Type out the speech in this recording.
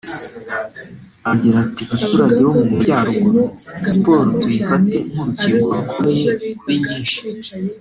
Agira ati “Baturage bo mu ntara y’amajyaruguru siporo tuyifate nk’urukingo rukomeye kuri nyinshi